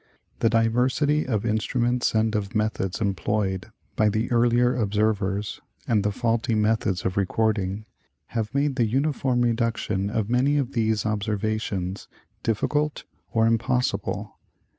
The diversity of instruments and of methods employed by the earlier observers, and the faulty methods of recording, have made the uniform reduction of many of these observations difficult or impossible.